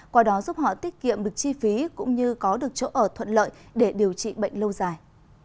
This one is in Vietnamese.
qua đó giúp họ tiết kiệm được chi phí cũng như có được chỗ ở thuận lợi để điều trị bệnh lâu dài